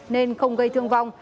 nên không gây thương vong